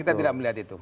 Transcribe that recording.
kita tidak melihat itu